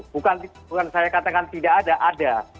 bukan saya katakan tidak ada ada